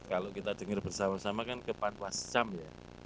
kalau kita dengar bersama sama kan ke panwascam ya